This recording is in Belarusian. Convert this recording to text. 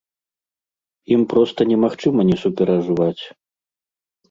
Ім проста немагчыма не суперажываць.